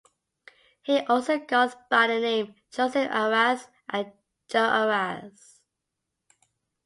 He also goes by the name Joseph Arias and Joe Arias.